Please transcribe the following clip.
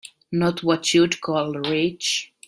Not what you'd call rich.